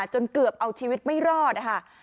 จนเกือบเอาชีวิตไม่รอดนะคะ